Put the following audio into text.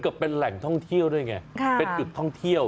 ก็เป็นแหล่งท่องเที่ยวด้วยไงเป็นจุดท่องเที่ยว